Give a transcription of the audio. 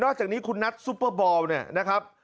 นอกจากนี้คุณนัทซุปเปอร์บอลนะครับ